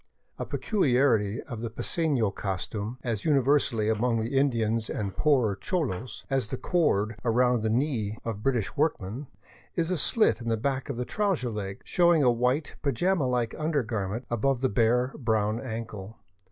A peculiarity of the pacefio costume, as universal among the Indians and poorer cholos as the cord around the knee of British workmen, is a slit in the back of the trouser leg, showing a white, pajama like undergarment above the bare brown ankle.